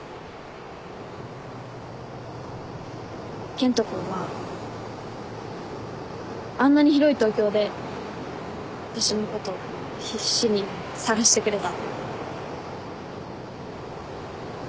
健人君はあんなに広い東京で私のこと必死に捜してくれた。